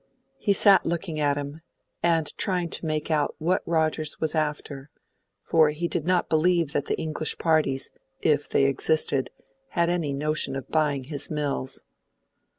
He sat looking at him, and trying to make out what Rogers was after; for he did not believe that the English parties, if they existed, had any notion of buying his mills.